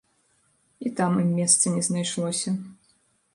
І там ім месца не знайшлося.